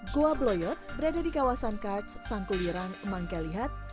goa bloyot berada di kawasan karts sangku wirang mangkalihat